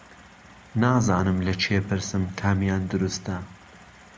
نازانم لە کێ پرسم کامیان درووستە